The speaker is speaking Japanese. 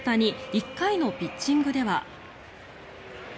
１回のピッチングでは。